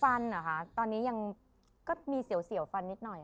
ฟันอะค่ะตอนนี้ยังซี่วหนึ่งในฟันนิดหน่อย